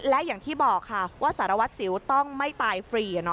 และอย่างที่บอกค่ะว่าสารวัตรสิวต้องไม่ตายฟรี